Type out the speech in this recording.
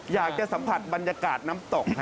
อยากจะสัมผัสบรรยากาศน้ำตก